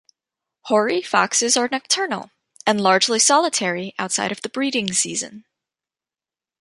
Hoary foxes are nocturnal, and largely solitary outside of the breeding season.